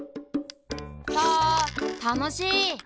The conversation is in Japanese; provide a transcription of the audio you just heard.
サたのしい！